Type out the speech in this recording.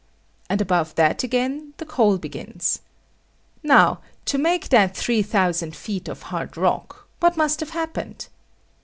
And above that again the coal begins. Now to make that 3000 feet of hard rock, what must have happened?